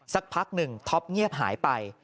สักพักหนึ่งท็อปเงียบหายไป